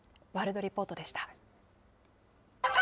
ワールドリポートでした。